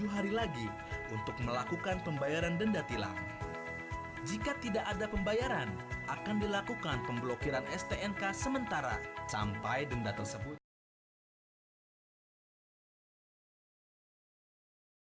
tujuh hari lagi untuk melakukan pembayaran denda tilang